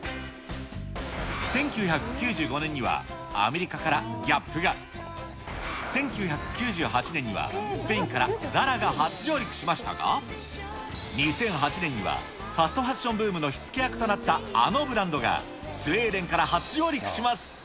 １９９５年にはアメリカからＧＡＰが、１９９８年にはスペインからＺＡＲＡが初上陸しましたが、２００８年にはファストファッションブームの火つけ役となったあのブランドが、スウェーデンから初上陸します。